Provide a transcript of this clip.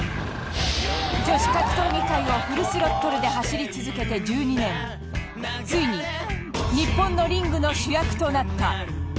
女子格闘技界をフルスロットルで走り続けて１２年ついに日本のリングの主役となった。